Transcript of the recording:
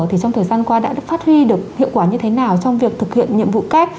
thì trong thời gian qua đã phát huy được hiệu quả như thế nào trong việc thực hiện nhiệm vụ kép